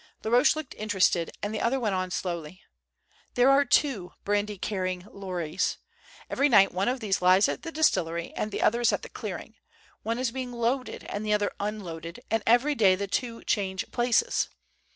Laroche looked interested, and the other went on slowly: "There are two brandy carrying lorries. Every night one of these lies at the distillery and the other at the clearing; one is being loaded and the other unloaded; and every day the two change places.